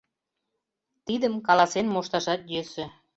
Тидым каласен мошташат йӧсӧ.